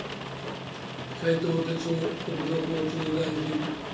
斉藤鉄夫国土交通大臣。